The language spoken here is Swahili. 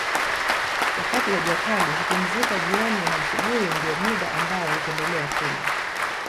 Wakati wa jua kali hupumzika jioni na asubuhi ndio mida ambayo hupendelea kula